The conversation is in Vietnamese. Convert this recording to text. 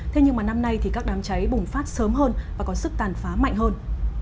thế nhưng mà năm nay thì các đám cháy bùng phát sớm hơn và có sức tàn phá mạnh hơn